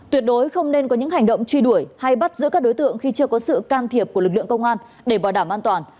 tuyệt đối không nên có những hành động truy đuổi hay bắt giữ các đối tượng khi chưa có sự can thiệp của lực lượng công an để bảo đảm an toàn